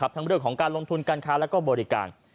ทั้งเรื่องของการลงทุนการค้าและบริการ